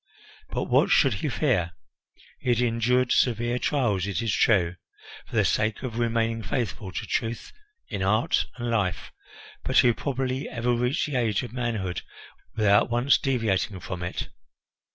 But what should he fear? He had endured severe trials, it is true, for the sake of remaining faithful to truth in art and life; but who probably ever reached the age of manhood without once deviating from it?